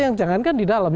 yang jangankan di dalam